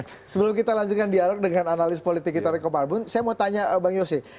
nah sebelum kita lanjutkan dialog dengan analis politik kita dari kepala arbun saya mau tanya bang yose